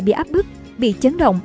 bị áp bức bị chấn động